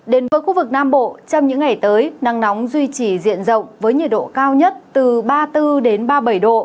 đến với khu vực nam bộ trong những ngày tới nắng nóng duy trì diện rộng với nhiệt độ cao nhất từ ba mươi bốn ba mươi bảy độ